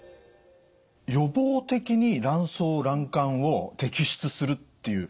予防的に卵巣卵管を摘出するっていう。